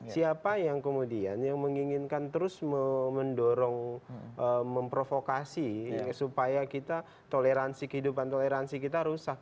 siapa yang kemudian yang menginginkan terus mendorong memprovokasi supaya kita toleransi kehidupan toleransi kita rusak